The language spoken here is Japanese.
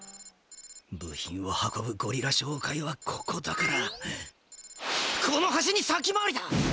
部品を運ぶゴリラ商会はここだからこの橋に先回りだ！